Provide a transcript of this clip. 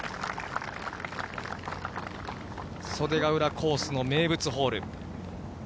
袖ヶ浦コースの名物ホール。